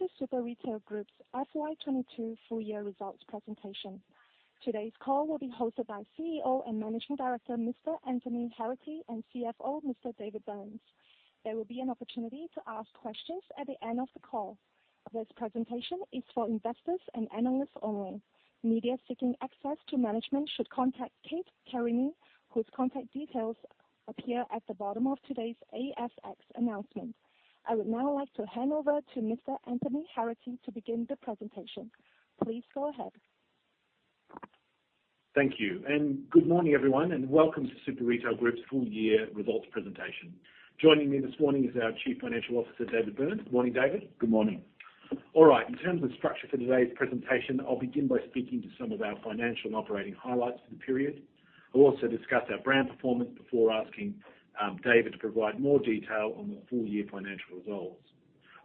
Welcome to Super Retail Group's FY22 full year results presentation. Today's call will be hosted by CEO and Managing Director, Mr. Anthony Heraghty and CFO, Mr. David Burns. There will be an opportunity to ask questions at the end of the call. This presentation is for investors and analysts only. Media seeking access to management should contact Kate Carini, whose contact details appear at the bottom of today's ASX announcement. I would now like to hand over to Mr. Anthony Heraghty to begin the presentation. Please go ahead. Thank you and good morning, everyone, and welcome to Super Retail Group's full year results presentation. Joining me this morning is our Chief Financial Officer, David Burns. Good morning, David. Good morning. All right, in terms of structure for today's presentation, I'll begin by speaking to some of our financial and operating highlights for the period. I'll also discuss our brand performance before asking David to provide more detail on the full year financial results.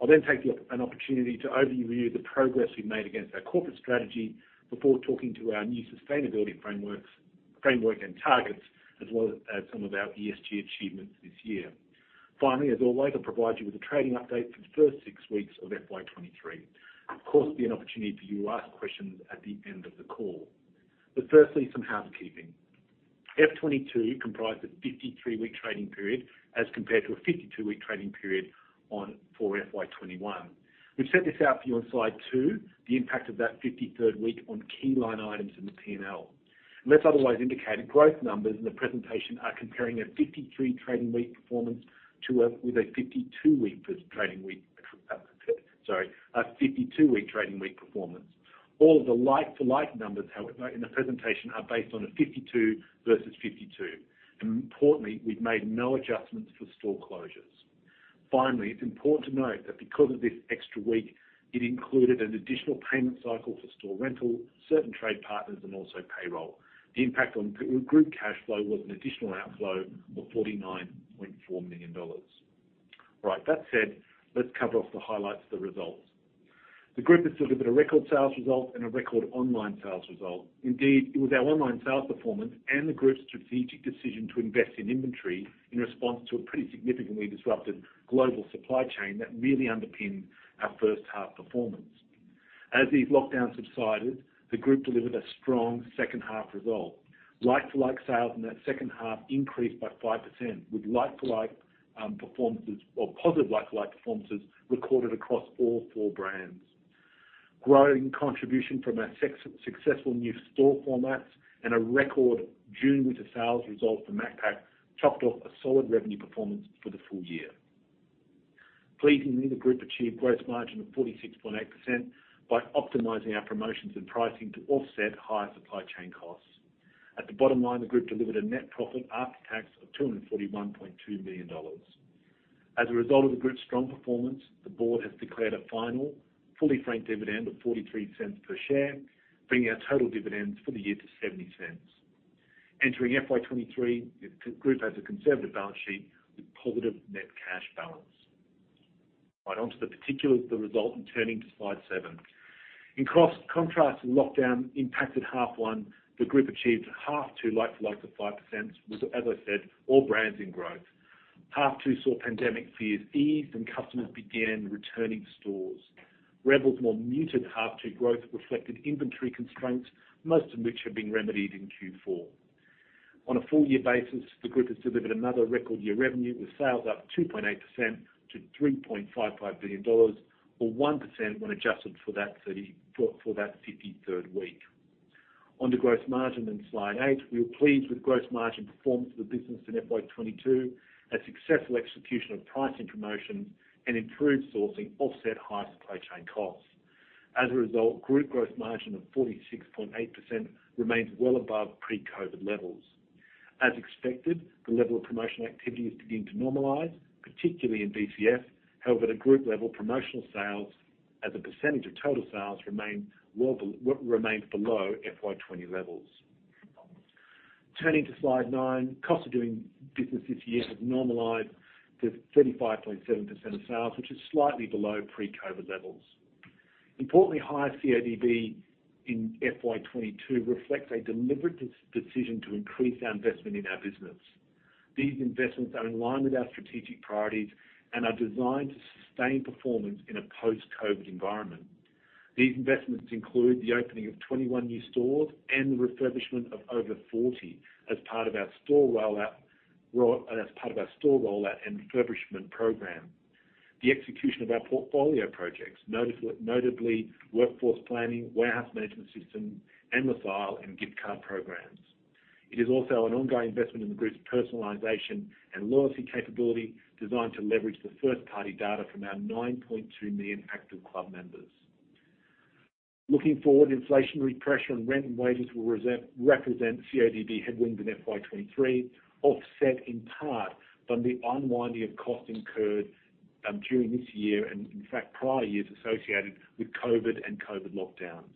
I'll then take an opportunity to overview the progress we've made against our corporate strategy before talking to our new sustainability framework and targets, as well as some of our ESG achievements this year. Finally, as always, I'll provide you with a trading update for the first six weeks of FY2023. Of course, there'll be an opportunity for you to ask questions at the end of the call. Firstly, some housekeeping. FY2022 comprised a 53-week trading period as compared to a 52-week trading period for FY2021. We've set this out for you on slide two, the impact of that 53rd week on key line items in the P&L. Unless otherwise indicated, growth numbers in the presentation are comparing a 53-week trading period performance with a 52-week trading period performance. All of the like-for-like numbers, however, in the presentation, are based on a 52 versus 52. Importantly, we've made no adjustments for store closures. Finally, it's important to note that because of this extra week, it included an additional payment cycle for store rental, certain trade partners, and also payroll. The impact on group cash flow was an additional outflow of 49.4 million dollars. All right, that said, let's cover off the highlights of the results. The group has delivered a record sales result and a record online sales result. Indeed, it was our online sales performance and the group's strategic decision to invest in inventory in response to a pretty significantly disrupted global supply chain that really underpinned our first half performance. As these lockdowns subsided, the group delivered a strong second half result. Like-for-like sales in that second half increased by 5% with like-for-like performances or positive like-for-like performances recorded across all four brands. Growing contribution from our successful new store formats and a record June winter sales result for Macpac topped off a solid revenue performance for the full year. Pleasingly, the group achieved gross margin of 46.8% by optimizing our promotions and pricing to offset higher supply chain costs. At the bottom line, the group delivered a net profit after tax of 241.2 million dollars. As a result of the group's strong performance, the board has declared a final fully franked dividend of 0.43 per share, bringing our total dividends for the year to 0.70. Entering FY2023, the group has a conservative balance sheet with positive net cash balance. Right on to the particulars of the result, and turning to slide seven. In contrast to lockdown impacted half one, the group achieved a half two like-for-like of 5% with, as I said, all brands in growth. Half two saw pandemic fears ease and customers began returning to stores. Rebel's more muted half two growth reflected inventory constraints, most of which have been remedied in Q4. On a full year basis, the group has delivered another record year revenue, with sales up 2.8% to 3.55 billion dollars or 1% when adjusted for that 53rd week. On to gross margin in slide eight, we were pleased with gross margin performance of the business in FY22. A successful execution of pricing promotions and improved sourcing offset higher supply chain costs. As a result, group gross margin of 46.8% remains well above pre-COVID levels. As expected, the level of promotional activity is beginning to normalize, particularly in BCF. However, at a group level, promotional sales as a percentage of total sales remains below FY2020 levels. Turning to slide nine, cost of doing business this year has normalized to 35.7% of sales, which is slightly below pre-COVID levels. Importantly, higher CODB in FY2022 reflects a deliberate decision to increase our investment in our business. These investments are in line with our strategic priorities and are designed to sustain performance in a post-COVID environment. These investments include the opening of 21 new stores and the refurbishment of over 40 as part of our store rollout and refurbishment program. The execution of our portfolio projects, notably Workforce Planning, Warehouse Management System, and the Flybuys and Gift Card programs. It is also an ongoing investment in the group's personalization and loyalty capability designed to leverage the first-party data from our 9.2 million active club members. Looking forward, inflationary pressure on rent and wages will represent CODB headwinds in FY2023, offset in part by the unwinding of costs incurred during this year, and in fact, prior years associated with COVID and COVID lockdowns.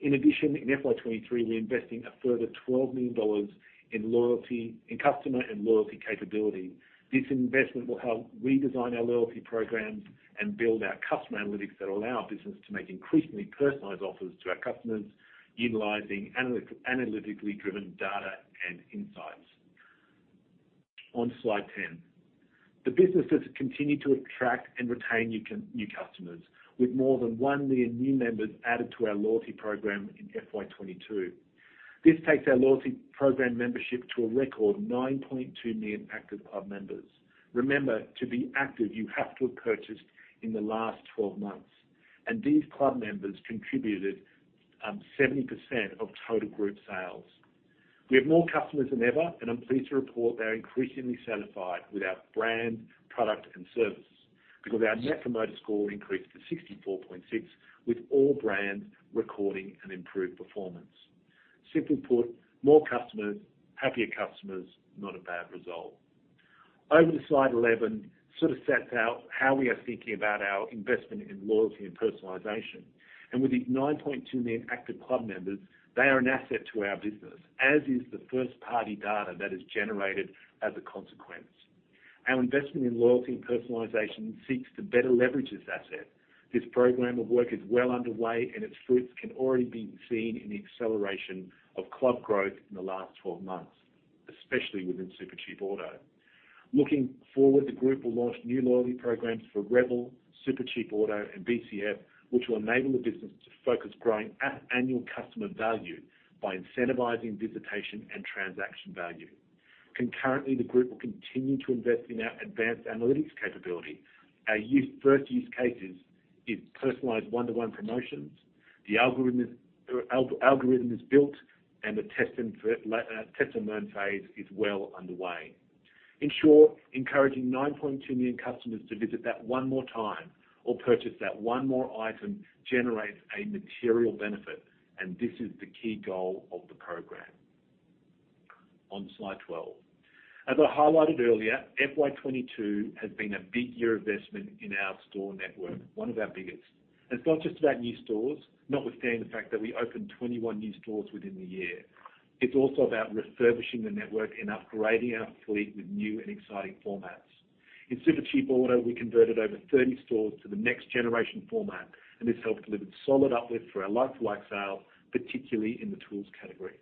In addition, in FY2023, we're investing a further 12 million dollars in customer and loyalty capability. This investment will help redesign our loyalty programs and build our customer analytics that allow our business to make increasingly personalized offers to our customers, utilizing analytically driven data and insights. On slide 10. The business has continued to attract and retain new customers with more than 1 million new members added to our loyalty program in FY2022. This takes our loyalty program membership to a record 9.2 million active club members. Remember, to be active, you have to have purchased in the last 12 months, and these club members contributed 70% of total group sales. We have more customers than ever, and I'm pleased to report they're increasingly satisfied with our brand, product, and service because our Net Promoter Score increased to 64.6, with all brands recording an improved performance. Simply put, more customers, happier customers, not a bad result. Over to slide 11, sort of sets out how we are thinking about our investment in loyalty and personalization. With the 9.2 million active club members, they are an asset to our business, as is the first-party data that is generated as a consequence. Our investment in loyalty and personalization seeks to better leverage this asset. This program of work is well underway, and its fruits can already be seen in the acceleration of club growth in the last 12 months, especially within Supercheap Auto. Looking forward, the group will launch new loyalty programs for Rebel, Supercheap Auto and BCF, which will enable the business to focus growing at annual customer value by incentivizing visitation and transaction value. Concurrently, the group will continue to invest in our advanced analytics capability. Our first use cases is personalized one-to-one promotions. The algorithm is built and the test and learn phase is well underway. In short, encouraging 9.2 million customers to visit that one more time or purchase that one more item generates a material benefit, and this is the key goal of the program. On slide 12. As I highlighted earlier, FY 2022 has been a big year investment in our store network, one of our biggest. It's not just about new stores, notwithstanding the fact that we opened 21 new stores within the year. It's also about refurbishing the network and upgrading our fleet with new and exciting formats. In Supercheap Auto, we converted over 30 stores to the next generation format, and this helped deliver solid uplift for our like-for-like sales, particularly in the tools category.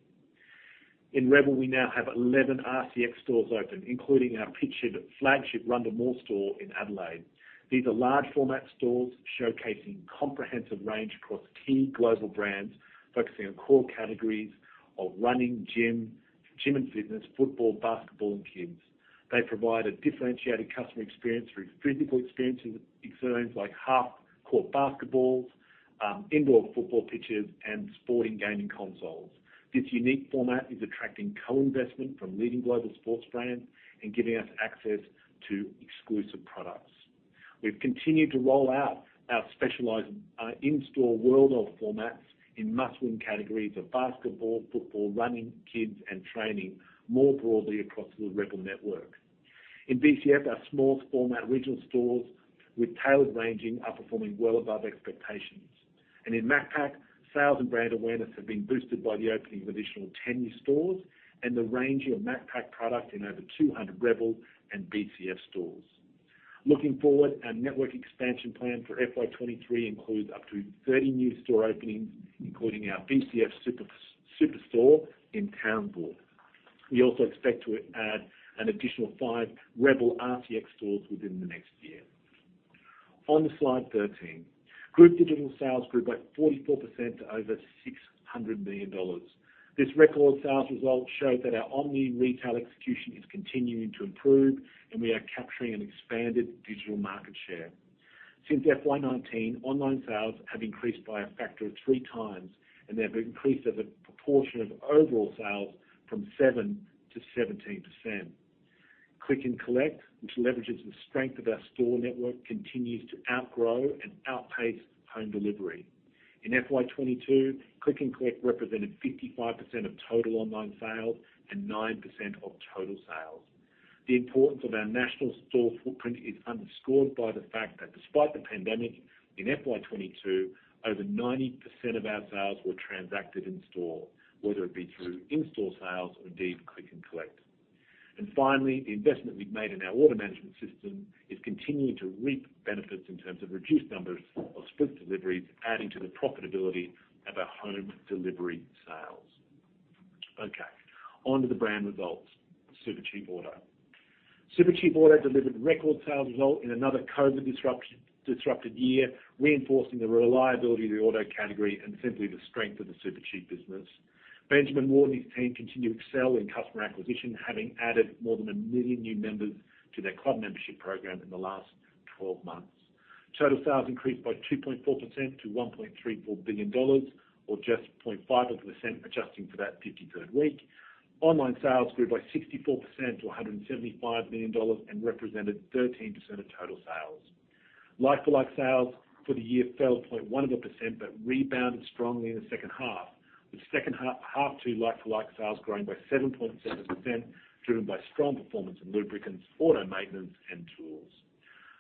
In Rebel, we now have 11 RCX stores open, including our featured flagship Rundle Mall store in Adelaide. These are large format stores showcasing comprehensive range across key global brands, focusing on core categories of running, gym and fitness, football, basketball and kids. They provide a differentiated customer experience through physical experiences like half-court basketball, indoor football pitches and sporting gaming consoles. This unique format is attracting co-investment from leading global sports brands and giving us access to exclusive products. We've continued to roll out our specialized, in-store world of formats in must-win categories of basketball, football, running, kids and training more broadly across the Rebel network. In BCF, our small format regional stores with tailored ranging are performing well above expectations. In Macpac, sales and brand awareness have been boosted by the opening of additional 10 new stores and the ranging of Macpac product in over 200 Rebel and BCF stores. Looking forward, our network expansion plan for FY 2023 includes up to 30 new store openings, including our BCF Super-Superstore in Townsville. We also expect to add an additional five Rebel RCX stores within the next year. On to slide 13. Group digital sales grew by 44% to over 600 million dollars. This record sales result showed that our omni-retail execution is continuing to improve, and we are capturing an expanded digital market share. Since FY 2019, online sales have increased by a factor of 3x, and they have increased as a proportion of overall sales from 7%-17%. Click and Collect, which leverages the strength of our store network, continues to outgrow and outpace home delivery. In FY 2022, Click and Collect represented 55% of total online sales and 9% of total sales. The importance of our national store footprint is underscored by the fact that despite the pandemic in FY 2022, over 90% of our sales were transacted in-store, whether it be through in-store sales or indeed Click and Collect. Finally, the investment we've made in our order management system is continuing to reap benefits in terms of reduced numbers of split deliveries, adding to the profitability of our home delivery sales. Okay, onto the brand results, Supercheap Auto. Supercheap Auto delivered record sales result in another COVID disrupted year, reinforcing the reliability of the auto category and simply the strength of the Supercheap business. Benjamin Ward and his team continue to excel in customer acquisition, having added more than 1 million new members to their club membership program in the last 12 months. Total sales increased by 2.4% to 1.34 billion dollars, or just 0.5%, adjusting for that 53rd week. Online sales grew by 64% to 175 million dollars and represented 13% of total sales. Like-for-like sales for the year fell 0.1%, but rebounded strongly in the second half, with second half, too, like-for-like sales growing by 7.7%, driven by strong performance in lubricants, auto maintenance and tools.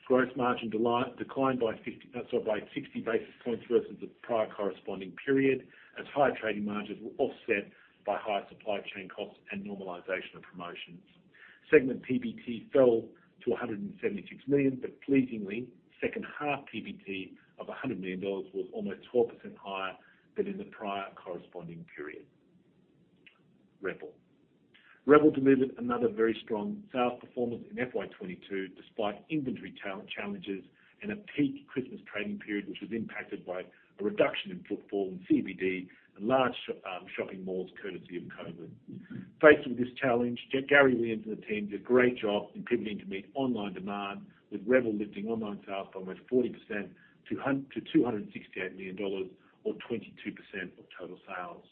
Gross margin declined by sixty basis points versus the prior corresponding period as higher trading margins were offset by higher supply chain costs and normalization of promotions. Segment PBT fell to 176 million, but pleasingly, second-half PBT of 100 million dollars was almost 12% higher than in the prior corresponding period. Rebel delivered another very strong sales performance in FY 2022, despite inventory challenges and a peak Christmas trading period, which was impacted by a reduction in footfall in CBD and large shopping malls courtesy of COVID. Faced with this challenge, Gary Williams and the team did a great job in pivoting to meet online demand, with Rebel lifting online sales by almost 40% to 268 million dollars, or 22% of total sales.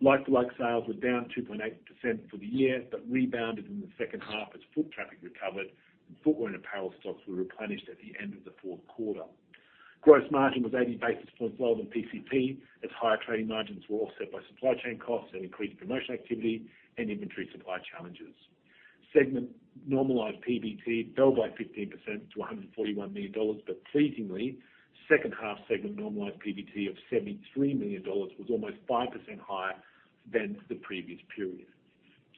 Like-for-like sales were down 2.8% for the year, but rebounded in the second half as foot traffic recovered and footwear and apparel stocks were replenished at the end of the fourth quarter. Gross margin was 80 basis points lower than PCP, as higher trading margins were offset by supply chain costs and increased promotional activity and inventory supply challenges. Segment normalized PBT fell by 15% to 141 million dollars, but pleasingly, second half segment normalized PBT of 73 million dollars was almost 5% higher than the previous period.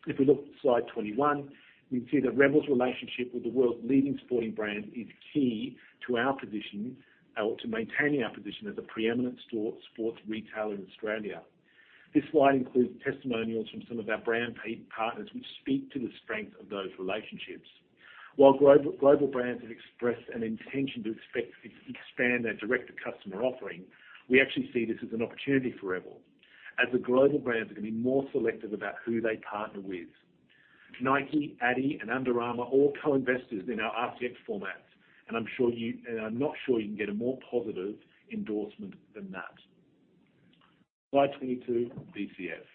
If we look at slide 21, we see that Rebel's relationship with the world's leading sporting brand is key to our position or to maintaining our position as the preeminent sports retailer in Australia. This slide includes testimonials from some of our brand partners which speak to the strength of those relationships. While global brands have expressed an intention to expand their direct-to-customer offering, we actually see this as an opportunity for Rebel, as the global brands are gonna be more selective about who they partner with. Nike, adidas, and Under Armour all co-invested in our RCX formats, and I'm sure you can get a more positive endorsement than that. Slide 22, BCF.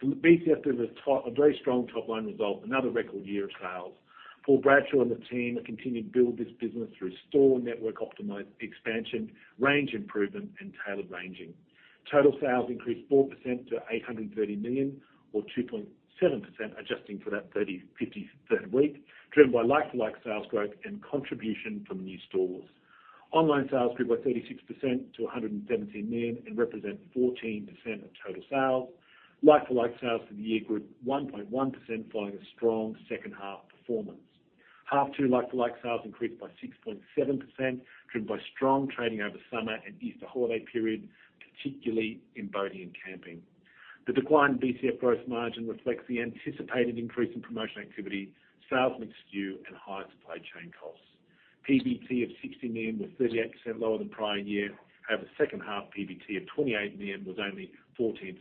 From BCF, there was a very strong top line result, another record year of sales. Paul Bradshaw and the team have continued to build this business through store network optimize-expansion, range improvement, and tailored ranging. Total sales increased 4% to 830 million or 2.7% adjusting to that 35th week, driven by like-for-like sales growth and contribution from new stores. Online sales grew by 36% to 117 million and represent 14% of total sales. Like-for-like sales for the year grew 1.1% following a strong second half performance. H2 like-for-like sales increased by 6.7%, driven by strong trading over summer and Easter holiday period, particularly in boating and camping. The decline in BCF gross margin reflects the anticipated increase in promotion activity, sales mix skew, and higher supply chain costs. PBT of 60 million was 38% lower than prior year. However, second half PBT of 28 million was only 14%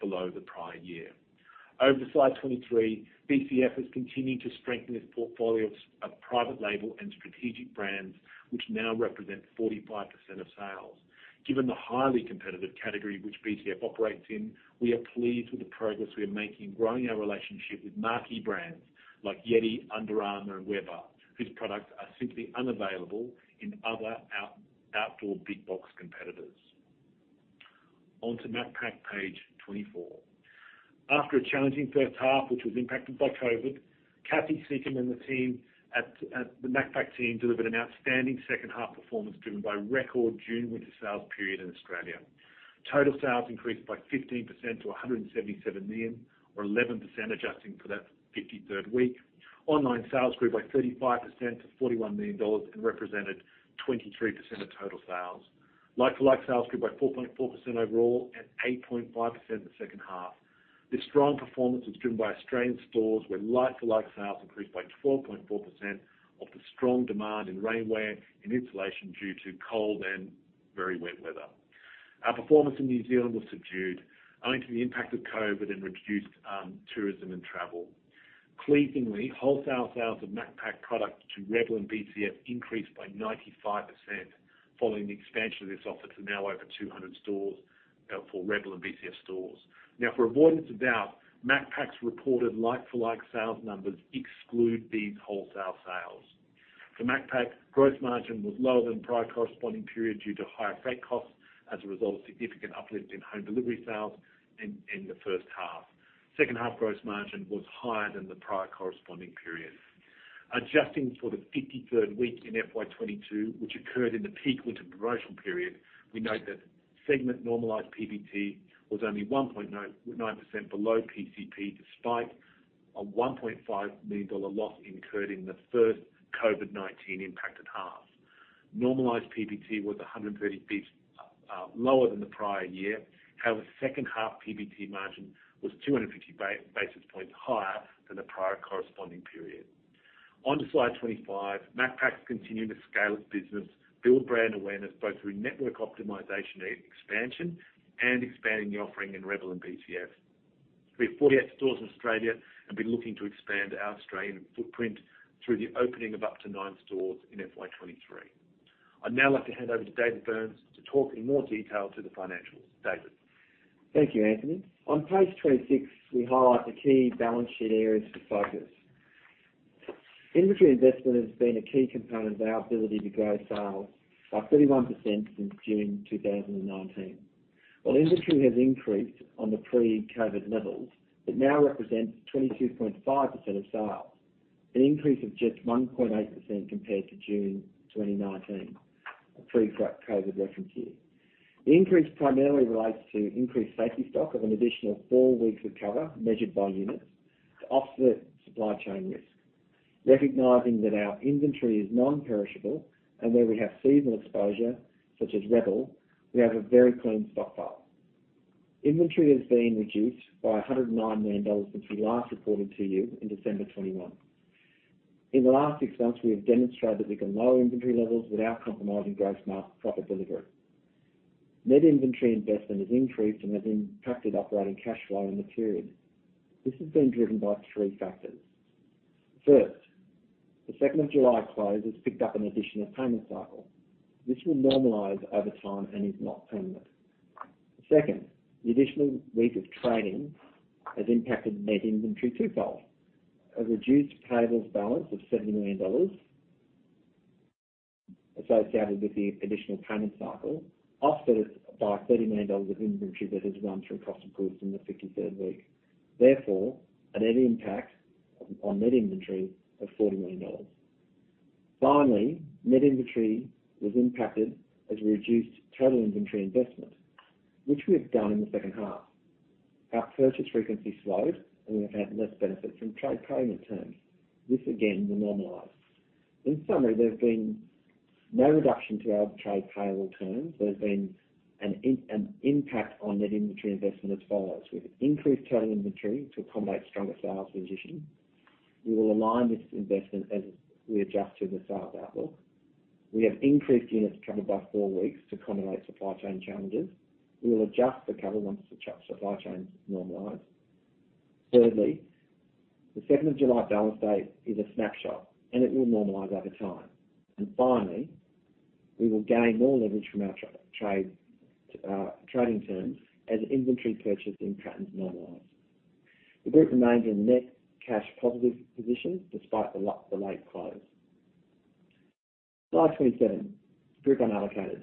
below the prior year. Over to slide 23, BCF has continued to strengthen its portfolio of private label and strategic brands, which now represent 45% of sales. Given the highly competitive category which BCF operates in, we are pleased with the progress we are making in growing our relationship with marquee brands like YETI, Under Armour, and Weber, whose products are simply unavailable in other outdoor big box competitors. On to Macpac, page 24. After a challenging first half, which was impacted by COVID, Cathy Seah and the Macpac team delivered an outstanding second-half performance driven by record June winter sales period in Australia. Total sales increased by 15% to 177 million or 11% adjusting for that 53rd week. Online sales grew by 35% to 41 million dollars and represented 23% of total sales. Like-for-like sales grew by 4.4% overall and 8.5% in the second half. This strong performance was driven by Australian stores, where like-for-like sales increased by 12.4% off the strong demand in rainwear and insulation due to cold and very wet weather. Our performance in New Zealand was subdued, owing to the impact of COVID and reduced tourism and travel. Pleasingly, wholesale sales of Macpac product to Rebel and BCF increased by 95% following the expansion of this offer to now over 200 stores for Rebel and BCF stores. Now, for avoidance of doubt, Macpac's reported like-for-like sales numbers exclude these wholesale sales. For Macpac, gross margin was lower than prior corresponding period due to higher freight costs as a result of significant uplift in home delivery sales in the first half. Second half gross margin was higher than the prior corresponding period. Adjusting for the 53rd week in FY 2022, which occurred in the peak winter promotional period, we note that segment normalized PBT was only 1.99% below PCP, despite an 1.5 million dollar loss incurred in the first COVID-19 impacted half. Normalized PBT was 130 basis points lower than the prior year. However, second half PBT margin was 250 basis points higher than the prior corresponding period. On to slide 25. Macpac's continuing to scale its business, build brand awareness both through network optimization and expansion and expanding the offering in Rebel and BCF. We have 48 stores in Australia and we've been looking to expand our Australian footprint through the opening of up to nine stores in FY 2023. I'd now like to hand over to David Burns to talk in more detail about the financials. David? Thank you, Anthony. On page 26, we highlight the key balance sheet areas for focus. Inventory investment has been a key component of our ability to grow sales by 31% since June 2019. While inventory has increased on the pre-COVID levels, it now represents 22.5% of sales, an increase of just 1.8% compared to June 2019, a pre-COVID reference year. The increase primarily relates to increased safety stock of an additional four weeks of cover measured by units to offset supply chain risk. Recognizing that our inventory is non-perishable and where we have seasonal exposure, such as Rebel, we have a very clean stock file. Inventory has been reduced by 109 million dollars since we last reported to you in December 2021. In the last six months, we have demonstrated we can lower inventory levels without compromising gross margin profit delivery. Net inventory investment has increased and has impacted operating cash flow in the period. This has been driven by three factors. First, the second of July close has picked up an additional payment cycle. This will normalize over time and is not permanent. Second, the additional week of trading has impacted net inventory twofold. A reduced payables balance of 70 million dollars associated with the additional payment cycle, offset by 30 million dollars of inventory that has run through cost of goods in the 53rd week. Therefore, a net impact on net inventory of 40 million dollars. Finally, net inventory was impacted as we reduced total inventory investment, which we have done in the second half. Our purchase frequency slowed, and we have had less benefit from trade payment terms. This, again, will normalize. In summary, there's been no reduction to our trade payable terms. There's been an impact on net inventory investment as follows. We've increased carrying inventory to accommodate stronger sales position. We will align this investment as we adjust to the sales outlook. We have increased units covered by four weeks to accommodate supply chain challenges. We will adjust the cover once the supply chain normalizes. Thirdly, the second of July balance date is a snapshot, and it will normalize over time. Finally, we will gain more leverage from our trading terms as inventory purchasing patterns normalize. The group remains in net cash positive position despite the late close. Slide 27, group unallocated.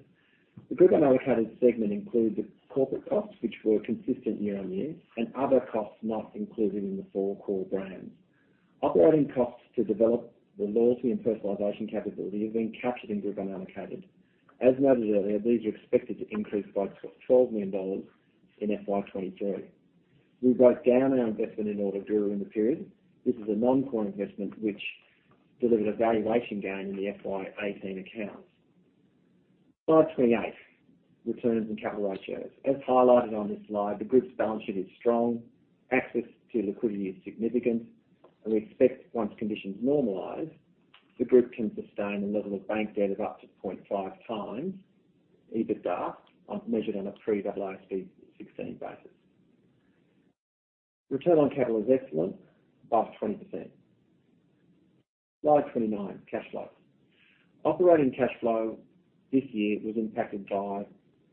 The group unallocated segment includes the corporate costs, which were consistent year-on-year, and other costs not included in the four core brands. Operating costs to develop the loyalty and personalization capability have been captured in group unallocated. As noted earlier, these are expected to increase by 12 million dollars in FY 2023. We wrote down our investment in Ordermentum in the period. This is a non-core investment which delivered a valuation gain in the FY 2018 accounts. Slide 28, returns and capital ratios. As highlighted on this slide, the group's balance sheet is strong, access to liquidity is significant, and we expect once conditions normalize, the group can sustain a level of bank debt of up to 0.5x EBITDA, as measured on a pre-IFRS 16 basis. Return on capital is excellent, above 20%. Slide 29, cash flow. Operating cash flow this year was impacted by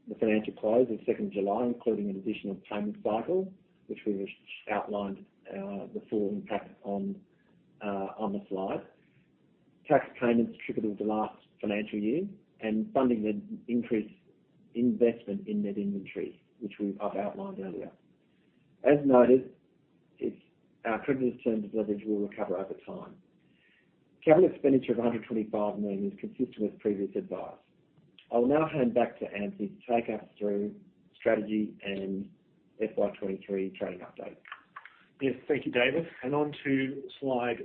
the financial close of 2nd July, including an additional payment cycle, which we outlined, the full impact on the slide. Tax payments attributable to last financial year and funding the increased investment in net inventory, which I've outlined earlier. As noted, it's our creditors' terms leverage will recover over time. Capital expenditure of 125 million is consistent with previous advice. I will now hand back to Anthony to take us through strategy and FY 2023 trading update. Yes, thank you, David. On to slide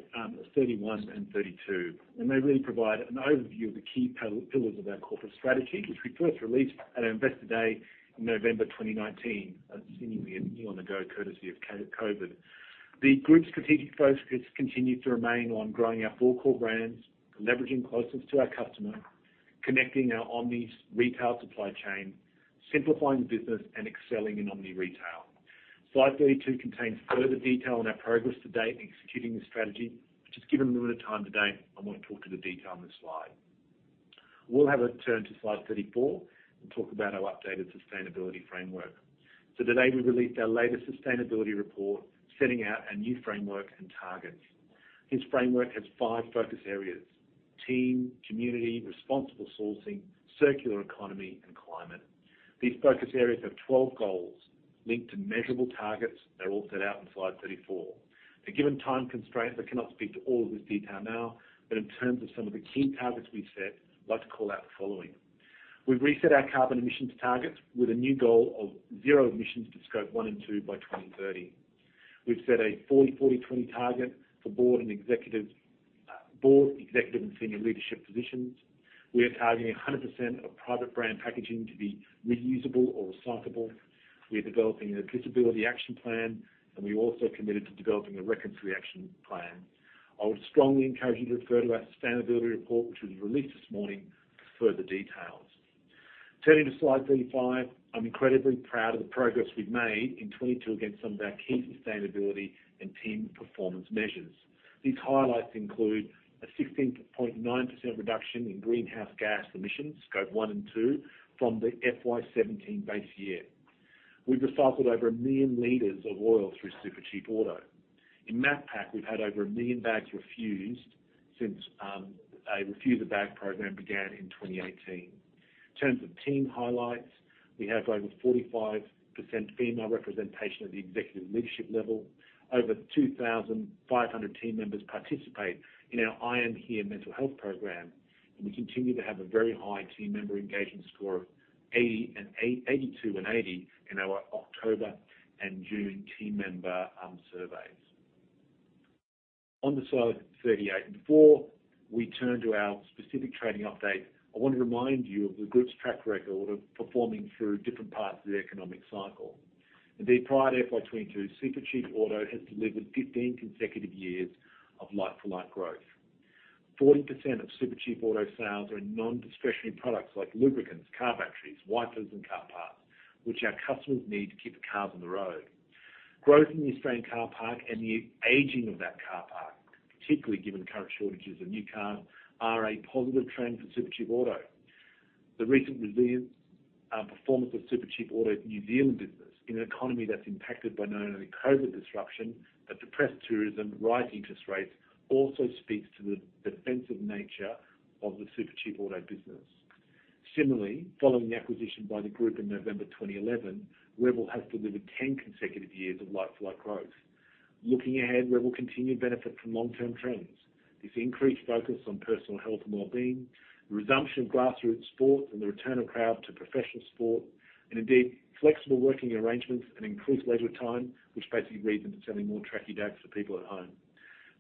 31 and 32. They really provide an overview of the key pillars of our corporate strategy, which we first released at our Investor Day in November 2019, seemingly a year on the go courtesy of COVID. The group's strategic focus has continued to remain on growing our four core brands, leveraging closeness to our customer, connecting our omnichannel retail supply chain, simplifying the business, and excelling in omnichannel retail. Slide 32 contains further detail on our progress to date in executing the strategy, which just given the limited time today, I won't talk to the detail on this slide. We'll turn to slide 34 and talk about our updated sustainability framework. Today, we released our latest sustainability report, setting out a new framework and targets. This framework has five focus areas, team, community, responsible sourcing, circular economy, and climate. These focus areas have 12 goals linked to measurable targets. They're all set out in slide 34. Given the time constraints, I cannot speak to all of this detail now, but in terms of some of the key targets we've set, I'd like to call out the following. We've reset our carbon emissions targets with a new goal of zero emissions to Scope 1 and 2 by 2030. We've set a 40/40/20 target for board, executive, and senior leadership positions. We are targeting 100% of private brand packaging to be reusable or recyclable. We're developing a disability action plan, and we also committed to developing a Reconciliation Action Plan. I would strongly encourage you to refer to our sustainability report, which was released this morning for further details. Turning to slide 35, I'm incredibly proud of the progress we've made in 2022 against some of our key sustainability and team performance measures. These highlights include a 16.9% reduction in greenhouse gas emissions, Scope 1 and 2, from the FY 2017 base year. We've recycled over 1 million li of oil through Supercheap Auto. In Macpac, we've had over 1 million bags refused since a Refuse a Bag program began in 2018. In terms of team highlights, we have over 45% female representation at the executive leadership level. Over 2,500 team members participate in our I Am Here mental health program. We continue to have a very high team member engagement score of 82 and 80 in our October and June team member surveys. On the slide 38, before we turn to our specific trading update, I want to remind you of the group's track record of performing through different parts of the economic cycle. Indeed, prior to FY 2022, Supercheap Auto has delivered 15 consecutive years of like-for-like growth. 40% of Supercheap Auto sales are in non-discretionary products like lubricants, car batteries, wipers and car parts, which our customers need to keep the cars on the road. Growth in the Australian car park and the aging of that car park, particularly given current shortages of new cars, are a positive trend for Supercheap Auto. The recent resilience, performance of Supercheap Auto's New Zealand business in an economy that's impacted by not only COVID disruption but depressed tourism, rising interest rates, also speaks to the defensive nature of the Supercheap Auto business. Similarly, following the acquisition by the group in November 2011, Rebel has delivered 10 consecutive years of like-for-like growth. Looking ahead, Rebel continues to benefit from long-term trends. This increased focus on personal health and wellbeing, the resumption of grassroots sports, and the return of crowds to professional sport, and indeed flexible working arrangements and increased leisure time, which basically leads into selling more trackie daks for people at home.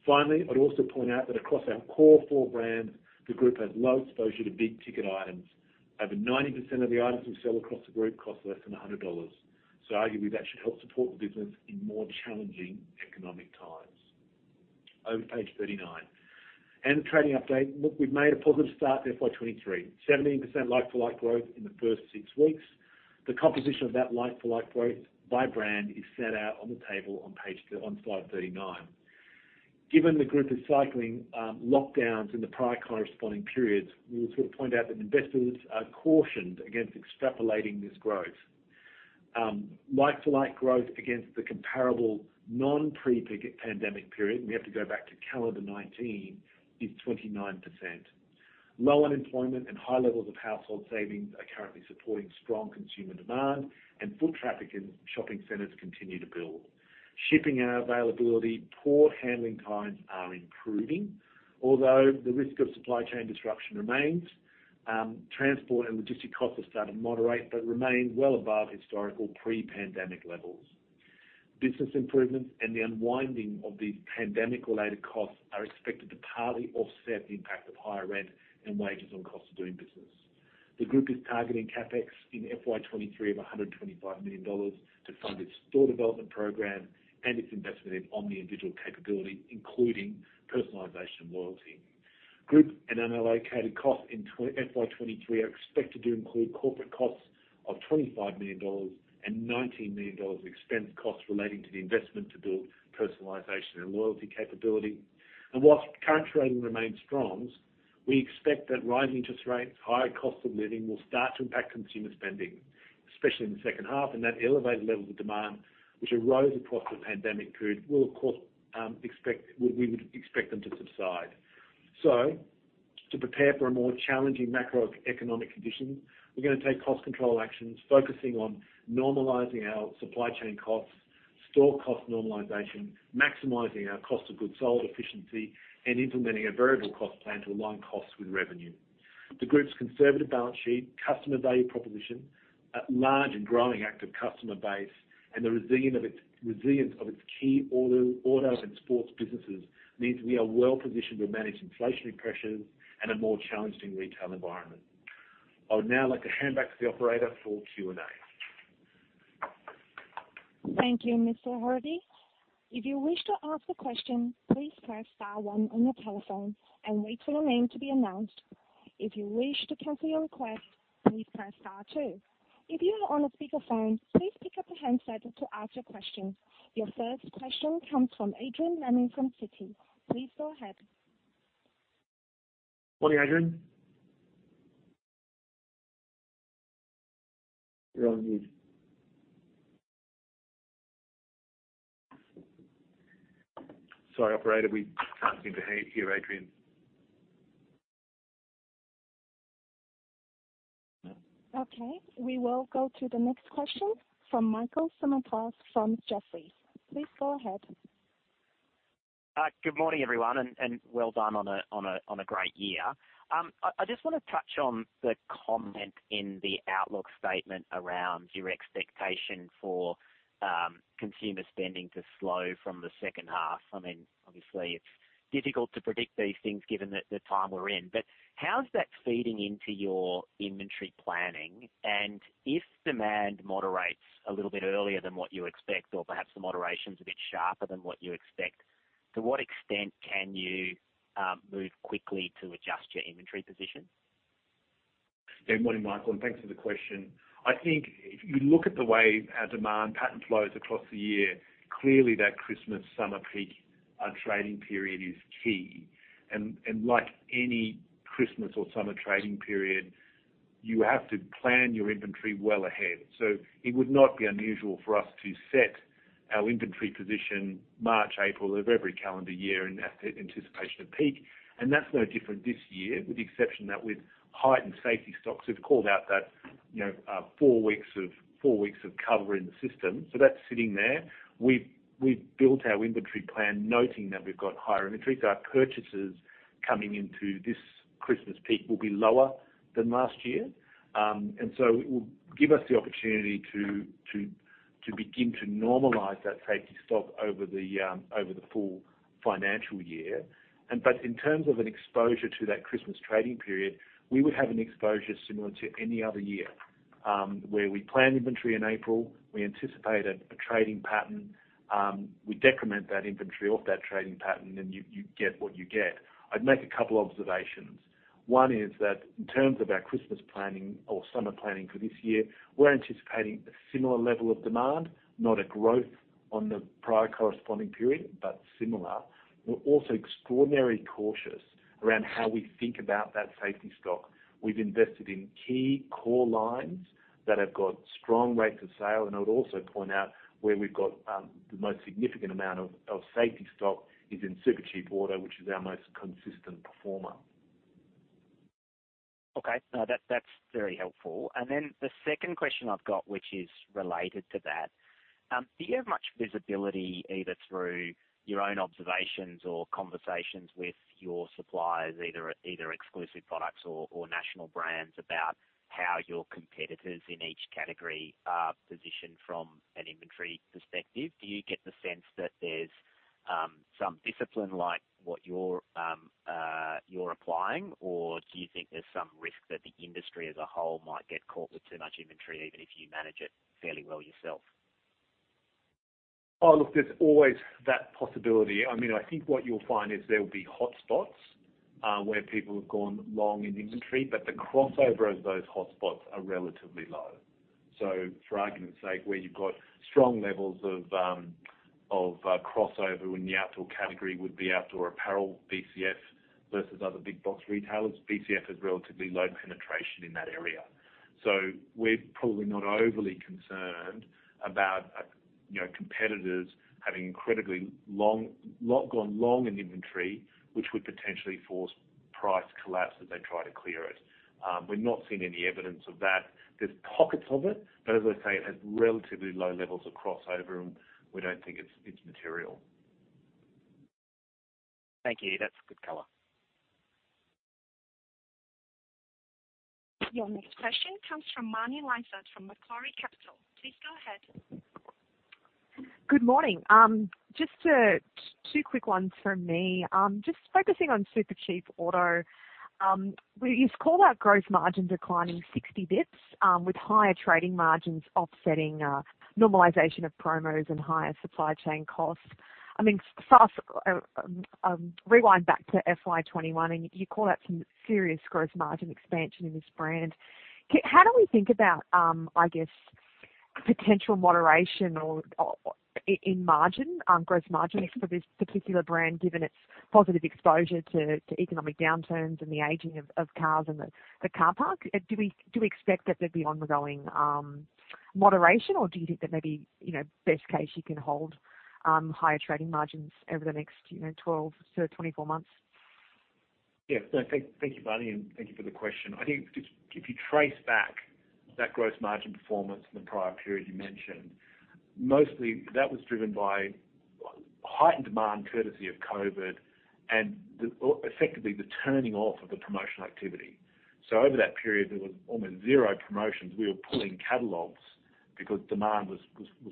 Finally, I'd also point out that across our core four brands, the group has low exposure to big-ticket items. Over 90% of the items we sell across the group cost less than 100 dollars. So arguably, that should help support the business in more challenging economic times. Over to page 39. The trading update. Look, we've made a positive start to FY 2023. 17% like-for-like growth in the first six weeks. The composition of that like-for-like growth by brand is set out on the table on slide 39. Given the group is cycling lockdowns in the prior corresponding periods, we'll sort of point out that investors are cautioned against extrapolating this growth. Like-for-like growth against the comparable non pre-pandemic period, we have to go back to calendar 2019, is 29%. Low unemployment and high levels of household savings are currently supporting strong consumer demand, and foot traffic in shopping centers continue to build. Shipping availability, port handling times are improving, although the risk of supply chain disruption remains. Transport and logistic costs have started to moderate but remain well above historical pre-pandemic levels. Business improvements and the unwinding of these pandemic-related costs are expected to partly offset the impact of higher rent and wages on cost of doing business. The group is targeting CapEx in FY 2023 of 125 million dollars to fund its store development program and its investment in omni and digital capability, including personalization and loyalty. Group and unallocated costs in FY 2023 are expected to include corporate costs of 25 million dollars and 19 million dollars expense costs relating to the investment to build personalization and loyalty capability. While current trading remains strong, we expect that rising interest rates, higher cost of living will start to impact consumer spending, especially in the second half, and that elevated level of demand which arose across the pandemic period will of course. We would expect them to subside. To prepare for a more challenging macroeconomic condition, we're gonna take cost control actions focusing on normalizing our supply chain costs, store cost normalization, maximizing our cost of goods sold efficiency, and implementing a variable cost plan to align costs with revenue. The group's conservative balance sheet, customer value proposition, a large and growing active customer base, and the resilience of its key auto and sports businesses means we are well-positioned to manage inflationary pressures in a more challenging retail environment. I would now like to hand back to the operator for Q&A. Thank you, Mr. Heraghty. If you wish to ask a question, please press star one on your telephone and wait for your name to be announced. If you wish to cancel your request, please press star two. If you are on a speakerphone, please pick up a handset to ask your question. Your first question comes from Adrian Lemme from Citi. Please go ahead. Morning, Adrian. You're on mute. Sorry, operator. We can't seem to hear Adrian. No. Okay. We will go to the next question from Michael Simotas from Jefferies. Please go ahead. Good morning, everyone, and well done on a great year. I just wanna touch on the comment in the outlook statement around your expectation for consumer spending to slow from the second half. I mean, obviously, it's difficult to predict these things given the time we're in. How's that feeding into your inventory planning? If demand moderates a little bit earlier than what you expect, or perhaps the moderation's a bit sharper than what you expect, to what extent can you move quickly to adjust your inventory position? Good morning, Michael, and thanks for the question. I think if you look at the way our demand pattern flows across the year, clearly that Christmas summer peak trading period is key. Like any Christmas or summer trading period, you have to plan your inventory well ahead. It would not be unusual for us to set our inventory position March, April of every calendar year in anticipation of peak. That's no different this year, with the exception that with heightened safety stocks, we've called out that. You know, four weeks of cover in the system, so that's sitting there. We've built our inventory plan noting that we've got higher inventory. Our purchases coming into this Christmas peak will be lower than last year. It will give us the opportunity to begin to normalize that safety stock over the full financial year. In terms of an exposure to that Christmas trading period, we would have an exposure similar to any other year, where we plan inventory in April, we anticipate a trading pattern, we decrement that inventory off that trading pattern, and you get what you get. I'd make a couple observations. One is that in terms of our Christmas planning or summer planning for this year, we're anticipating a similar level of demand, not a growth on the prior corresponding period, but similar. We're also extraordinarily cautious around how we think about that safety stock. We've invested in key core lines that have got strong rates of sale, and I would also point out where we've got the most significant amount of safety stock is in Supercheap Auto, which is our most consistent performer. Okay. No, that's very helpful. Then the second question I've got, which is related to that, do you have much visibility either through your own observations or conversations with your suppliers, either exclusive products or national brands about how your competitors in each category are positioned from an inventory perspective? Do you get the sense that there's some discipline like what you're applying? Or do you think there's some risk that the industry as a whole might get caught with too much inventory, even if you manage it fairly well yourself? Oh, look, there's always that possibility. I mean, I think what you'll find is there'll be hotspots, where people have gone long in inventory, but the crossover of those hotspots are relatively low. For argument's sake, where you've got strong levels of crossover in the outdoor category would be outdoor apparel, BCF versus other big box retailers. BCF has relatively low penetration in that area. So we're probably not overly concerned about, you know, competitors having incredibly long in inventory, which would potentially force price collapse as they try to clear it. We've not seen any evidence of that. There's pockets of it. But as I say, it has relatively low levels of crossover, and we don't think it's material. Thank you. That's a good color. Your next question comes from Marni Lysaght from Macquarie Capital. Please go ahead. Good morning. Just two quick ones from me. Just focusing on Supercheap Auto, you called out gross margin declining 60 bits with higher trading margins offsetting normalization of promos and higher supply chain costs. I mean, rewind back to FY 2021, and you call that some serious gross margin expansion in this brand. How do we think about, I guess, potential moderation or in margin, gross margin for this particular brand, given its positive exposure to economic downturns and the aging of cars and the car park? Do we expect that there'd be ongoing moderation, or do you think that maybe, you know, best case you can hold higher trading margins over the next, you know, 12-24 months? No, thank you, Marni, and thank you for the question. I think if you trace back that gross margin performance in the prior period you mentioned, mostly that was driven by heightened demand courtesy of COVID or effectively the turning off of the promotional activity. Over that period, there was almost zero promotions. We were pulling catalogs because demand was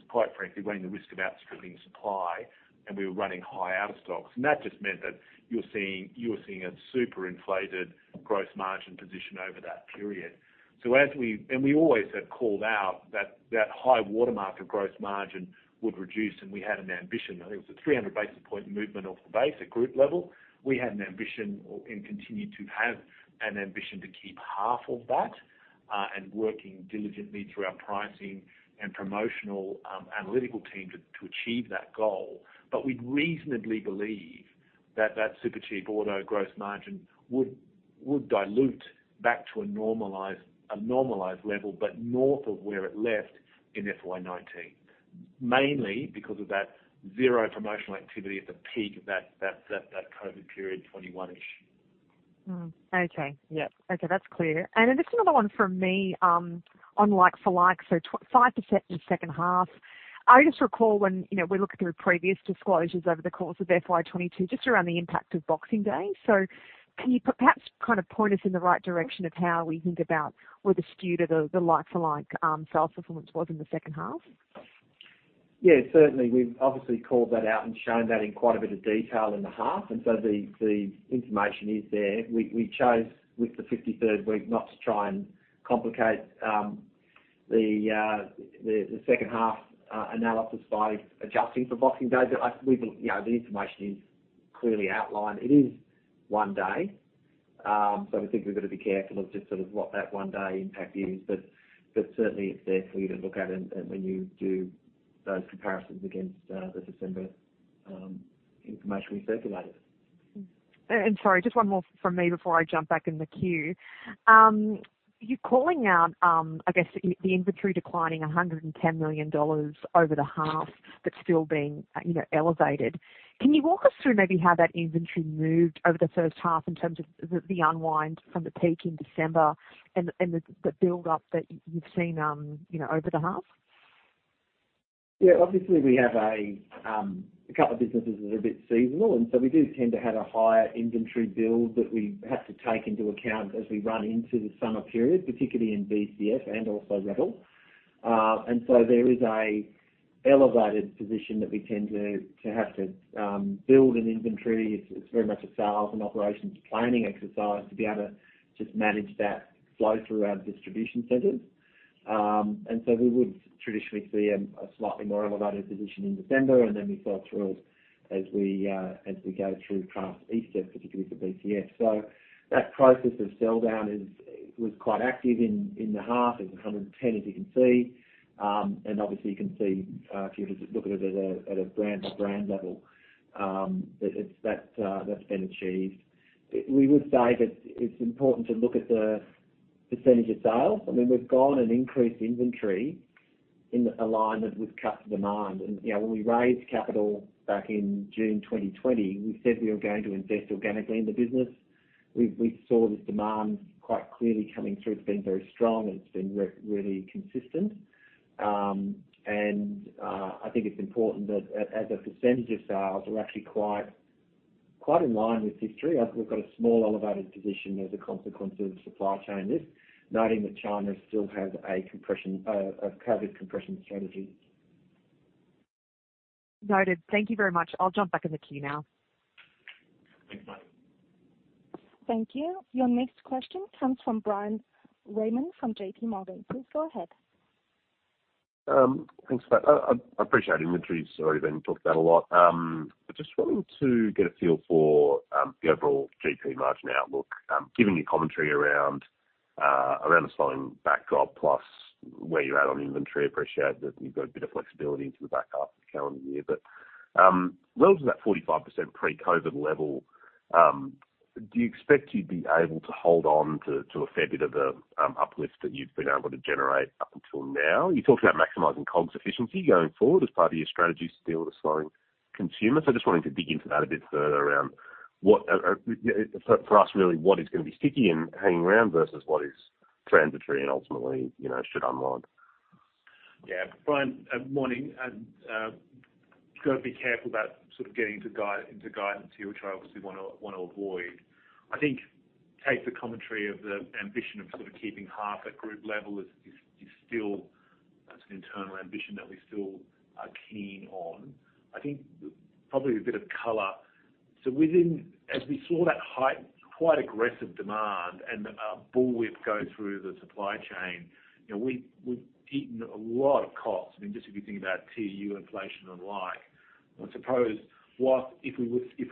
quite frankly running the risk of outstripping supply, and we were running high out of stocks. That just meant that you were seeing a super inflated gross margin position over that period. We always had called out that high-water mark of gross margin would reduce, and we had an ambition. I think it was a 300 basis point movement off the base at group level. We had an ambition and continue to have an ambition to keep half of that and working diligently through our pricing and promotional analytical team to achieve that goal. We'd reasonably believe that Supercheap Auto gross margin would dilute back to a normalized level, but north of where it left in FY 2019. Mainly because of that zero promotional activity at the peak of that COVID period, 2021-ish. Okay. Yep. Okay, that's clear. Then just another one from me on like-for-like, so 5% in the second half. I just recall when, you know, we looked through previous disclosures over the course of FY 2022, just around the impact of Boxing Day. Can you perhaps kind of point us in the right direction of how we think about where the skew to the like-for-like sales performance was in the second half? Yeah, certainly. We've obviously called that out and shown that in quite a bit of detail in the half. The information is there. We chose with the 53rd week not to try and complicate the second half analysis by adjusting for Boxing Day. But I think, you know, the information is clearly outlined. It is one day, so we think we've got to be careful of just sort of what that one day impact is. But certainly it's there for you to look at and when you do those comparisons against the December information we circulated. Sorry, just one more from me before I jump back in the queue. You're calling out, I guess, the inventory declining 110 million dollars over the half, but still being, you know, elevated. Can you walk us through maybe how that inventory moved over the first half in terms of the unwind from the peak in December and the build up that you've seen over the half? Yeah, obviously we have a couple of businesses that are a bit seasonal, and so we do tend to have a higher inventory build that we have to take into account as we run into the summer period, particularly in BCF and also Rebel. There is an elevated position that we tend to have to build an inventory. It's very much a sales and operations planning exercise to be able to just manage that flow through our distribution centers. We would traditionally see a slightly more elevated position in December, and then we fall through as we go through past Easter, particularly for BCF. That process of sell-down was quite active in the half. It was 110, as you can see. Obviously you can see if you just look at it at a brand-to-brand level, that's been achieved. We would say that it's important to look at the percentage of sales. I mean, we've gone and increased inventory in alignment with sustained demand. You know, when we raised capital back in June 2020, we said we were going to invest organically in the business. We saw this demand quite clearly coming through. It's been very strong, and it's been really consistent. I think it's important that as a percentage of sales, we're actually quite in line with history. I think we've got a small elevated position as a consequence of supply chain risks, noting that China still has a COVID compression strategy. Noted. Thank you very much. I'll jump back in the queue now. Thanks, Maddie. Thank you. Your next question comes from Bryan Raymond from JPMorgan. Please go ahead. Thanks for that. I appreciate inventory's already been talked about a lot. Just wanting to get a feel for the overall GP margin outlook, given your commentary around a slowing backdrop, plus where you're at on inventory. Appreciate that you've got a bit of flexibility into the back half of the calendar year. Relative to that 45% pre-COVID level, do you expect you'd be able to hold on to a fair bit of the uplift that you've been able to generate up until now? You talked about maximizing COGS efficiency going forward as part of your strategy to deal with a slowing consumer. Just wanting to dig into that a bit further around what, you know, for us, really, what is gonna be sticky and hanging around versus what is transitory and ultimately, you know, should unwind. Yeah. Bryan, morning. Got to be careful about sort of getting into guidance here, which I obviously wanna avoid. I think take the commentary of the ambition of sort of keeping half at group level is still, that's an internal ambition that we still are keen on. I think probably a bit of color. So within. As we saw that high, quite aggressive demand and a bullwhip go through the supply chain, you know, we've eaten a lot of costs. I mean, just if you think about TEU inflation and the like. I suppose what if we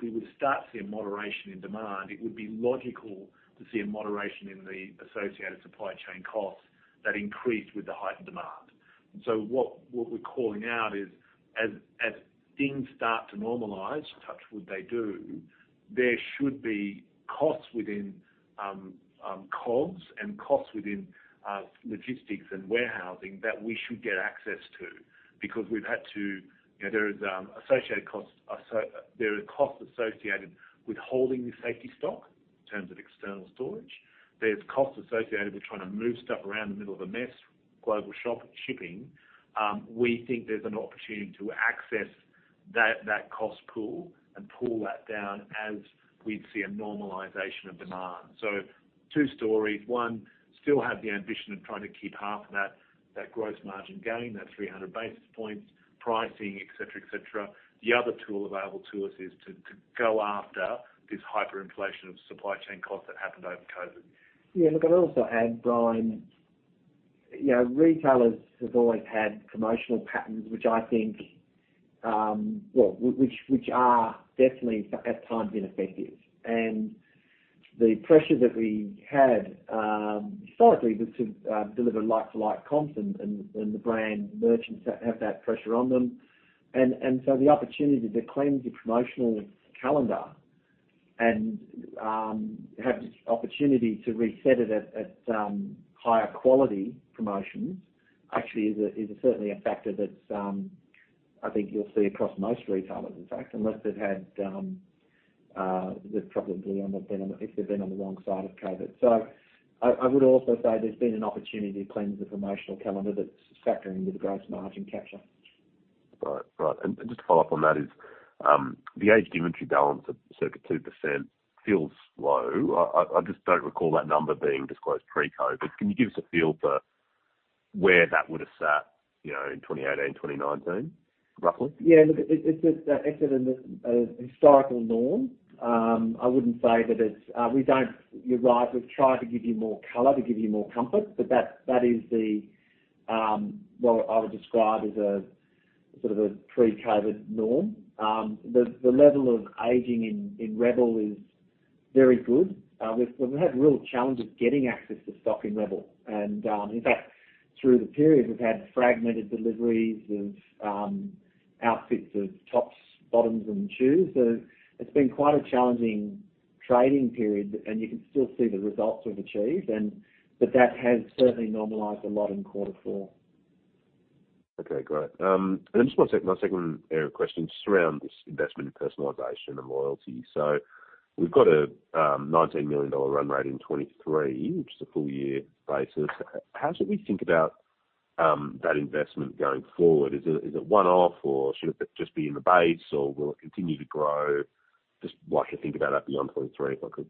would start to see a moderation in demand, it would be logical to see a moderation in the associated supply chain costs that increased with the heightened demand. What we're calling out is as things start to normalize, touch wood they do, there should be costs within COGS and costs within logistics and warehousing that we should get access to because we've had to. You know, there are costs associated with holding the safety stock in terms of external storage. There are costs associated with trying to move stuff around the middle of a mess, global shipping. We think there's an opportunity to access that cost pool and pull that down as we'd see a normalization of demand. Two stories. One, still have the ambition of trying to keep half of that gross margin gain, that 300 basis points, pricing, et cetera, et cetera. The other tool available to us is to go after this hyperinflation of supply chain costs that happened over COVID. Yeah. Look, I'd also add, Bryan, you know, retailers have always had promotional patterns, which I think, well, which are definitely at times ineffective. The pressure that we had historically was to deliver like-for-like comps and the brand merchants that have that pressure on them. The opportunity to cleanse your promotional calendar and have the opportunity to reset it at higher quality promotions actually is certainly a factor that I think you'll see across most retailers, in fact, unless they've had, they've probably been on the wrong side of COVID. I would also say there's been an opportunity to cleanse the promotional calendar that's factoring into the gross margin capture. Right. Just to follow up on that is, the aged inventory balance of circa 2% feels low. I just don't recall that number being disclosed pre-COVID. Can you give us a feel for where that would've sat, you know, in 2018, 2019, roughly? Yeah. Look, it's a historical norm. I wouldn't say that it's. You're right. We've tried to give you more color, to give you more comfort, but that is what I would describe as a sort of pre-COVID norm. The level of aging in Rebel is very good. We've had real challenges getting access to stock in Rebel. In fact, through the period, we've had fragmented deliveries of outfits of tops, bottoms, and shoes. It's been quite a challenging trading period, and you can still see the results we've achieved, but that has certainly normalized a lot in quarter four. Okay, great. Then just one sec, my second area of questions around this investment in personalization and loyalty. We've got a 19 million dollar run rate in 2023, which is a full year basis. How should we think about that investment going forward? Is it one-off or should it just be in the base, or will it continue to grow? Just what I can think about and beyond FY2023, if I could.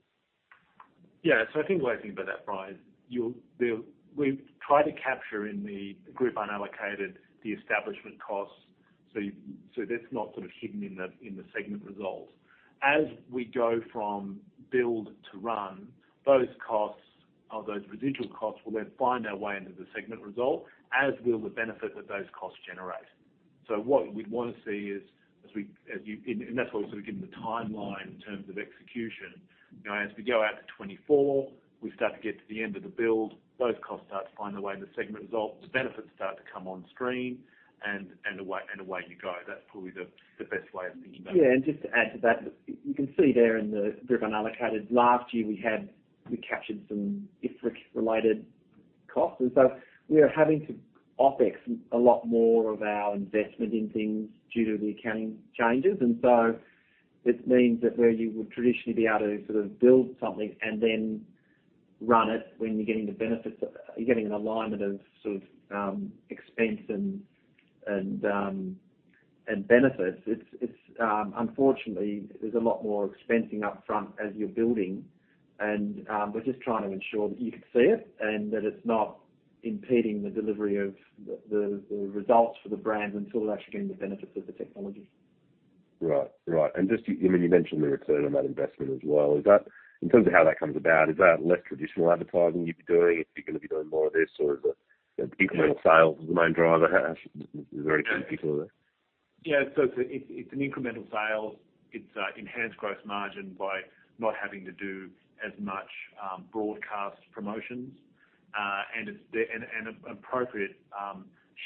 Yeah. I think the way I think about that, Bryan, we've tried to capture in the group unallocated the establishment costs. That's not sort of hidden in the segment results. As we go from build to run, those costs or those residual costs will then find their way into the segment result, as will the benefit that those costs generate. What we'd wanna see is as we and that's also given the timeline in terms of execution. You know, as we go out to 2024, we start to get to the end of the build, those costs start to find their way in the segment results, the benefits start to come on stream, and away you go. That's probably the best way of thinking about it. Yeah. Just to add to that, you can see there in the group unallocated. Last year we captured some IFRIC-related costs. We are having to OPEX a lot more of our investment in things due to the accounting changes. This means that where you would traditionally be able to sort of build something and then run it when you're getting the benefits, you're getting an alignment of sort of expense and benefits. It's unfortunately there's a lot more expensing up front as you're building. We're just trying to ensure that you can see it and that it's not impeding the delivery of the results for the brand until they're actually getting the benefits of the technology. Right. Just, I mean, you mentioned the return on that investment as well. Is that in terms of how that comes about, is that less traditional advertising you'd be doing? If you're gonna be doing more of this or the incremental sales is the main driver? How? Is there any particular there? Yeah. It's an incremental sales. It's enhanced gross margin by not having to do as much broadcast promotions, and it's an appropriate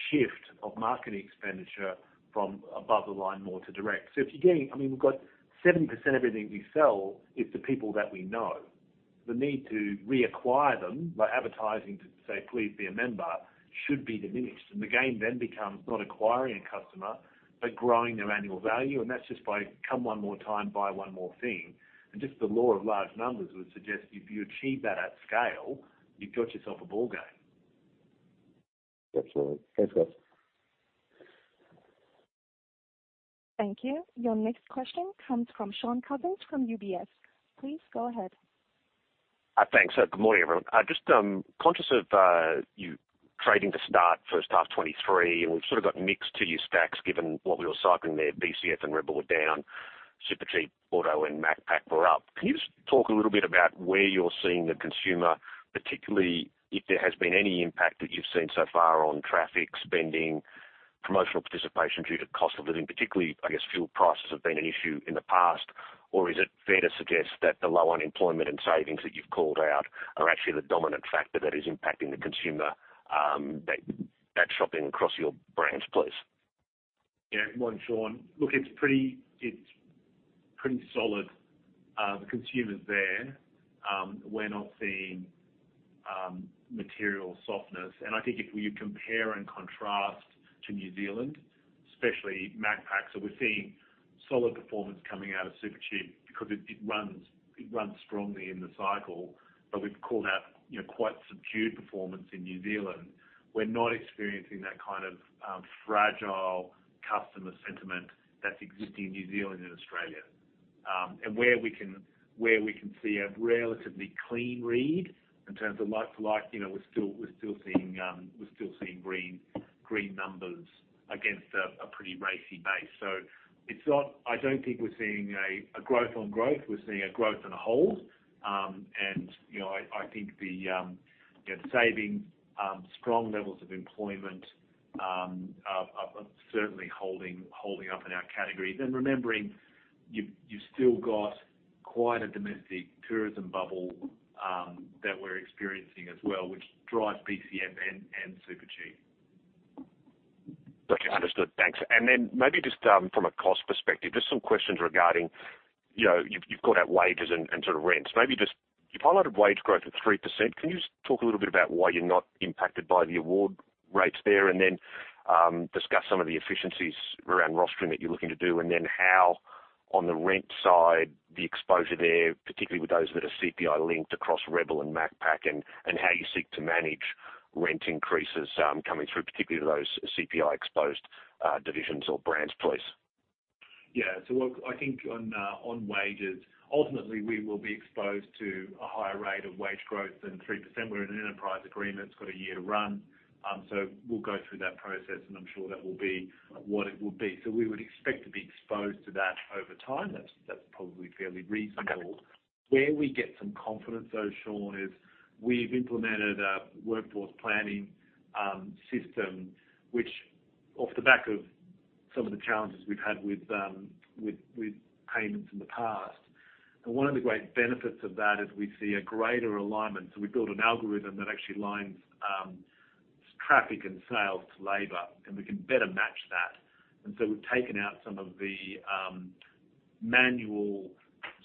shift of marketing expenditure from above the line more to direct. If you're getting—I mean, we've got 70% of everything we sell is to people that we know. The need to reacquire them by advertising to say, "Please be a member," should be diminished. The game then becomes not acquiring a customer, but growing their annual value. That's just by coming one more time, buy one more thing. Just the law of large numbers would suggest if you achieve that at scale, you've got yourself a ballgame. Absolutely. Thanks, guys. Thank you. Your next question comes from Shaun Cousins from UBS. Please go ahead. Thanks. Good morning, everyone. I'm just conscious of the trading to start first half 2023, and we've sort of got mixed two-year stacks given what we were cycling there. BCF and Rebel were down. Supercheap Auto and Macpac were up. Can you just talk a little bit about where you're seeing the consumer, particularly if there has been any impact that you've seen so far on traffic, spending, promotional participation due to cost of living, particularly, I guess fuel prices have been an issue in the past. Or is it fair to suggest that the low unemployment and savings that you've called out are actually the dominant factor that is impacting the consumer, that shopping across your brands, please? Yeah. Good morning, Shaun. Look, it's pretty solid. The consumer's there. We're not seeing material softness. I think if you compare and contrast to New Zealand, especially Macpac. We're seeing solid performance coming out of Supercheap because it runs strongly in the cycle. We've called out, you know, quite subdued performance in New Zealand. We're not experiencing that kind of fragile customer sentiment that's existing in New Zealand and Australia. Where we can see a relatively clean read in terms of like-for-like, you know, we're still seeing green numbers against a pretty racy base. It's not. I don't think we're seeing a growth on growth. We're seeing a growth on a whole. You know, I think seeing strong levels of employment are certainly holding up in our categories. Remembering you've still got quite a domestic tourism bubble that we're experiencing as well, which drives BCF and Supercheap. Okay. Understood. Thanks. Maybe just from a cost perspective, just some questions regarding, you know, you've got wages and sort of rents. Maybe just you've highlighted wage growth at 3%. Can you just talk a little bit about why you're not impacted by the award rates there, and then discuss some of the efficiencies around rostering that you're looking to do, and then how on the rent side, the exposure there, particularly with those that are CPI linked across Rebel and Macpac, and how you seek to manage rent increases coming through, particularly to those CPI exposed divisions or brands, please. Yeah. Look, I think on wages, ultimately, we will be exposed to a higher rate of wage growth than 3%. We're in an enterprise agreement, it's got a year to run. We'll go through that process, and I'm sure that will be what it will be. We would expect to be exposed to that over time. That's probably fairly reasonable. Okay. Where we get some confidence, though, Shaun, is we've implemented a workforce planning system, which off the back of some of the challenges we've had with payments in the past. One of the great benefits of that is we see a greater alignment. We build an algorithm that actually aligns traffic and sales to labor, and we can better match that. We've taken out some of the manual